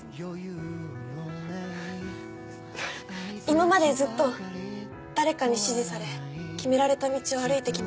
今までずっと誰かに指示され決められた道を歩いてきました。